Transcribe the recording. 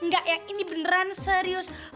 gak yakin di beneran serius